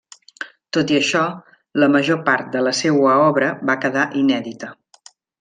Tot i això, la major part de la seua obra va quedar inèdita.